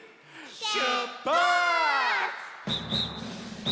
しゅっぱつ！